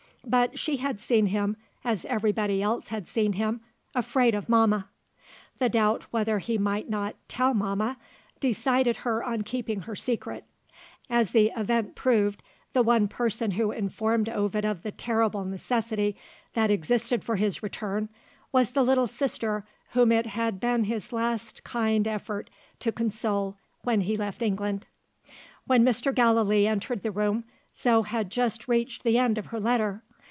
But she had seen him, as everybody else had seen him, "afraid of mamma." The doubt whether he might not "tell mamma," decided her on keeping her secret. As the event proved, the one person who informed Ovid of the terrible necessity that existed for his return, was the little sister whom it had been his last kind effort to console when he left England. When Mr. Gallilee entered the room, Zo had just reached the end of her letter.